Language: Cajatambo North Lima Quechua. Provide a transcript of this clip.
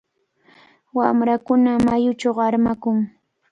Wamrakuna mayuchaw armakun.